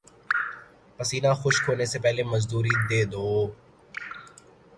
پسینہ خشک ہونے سے پہلے مزدوری دے دو